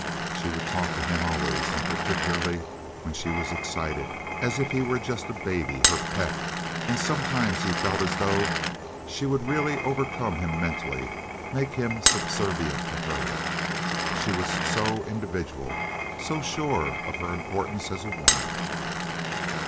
She would talk to him always, and particularly when she was excited, as if he were just a baby, her pet; and sometimes he felt as though she would really overcome him mentally, make him subservient to her, she was so individual, so sure of her importance as a woman.